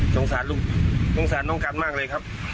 สงสารลูกสงสารน้องกันมากเลยครับ